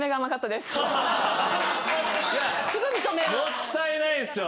もったいないっすよ。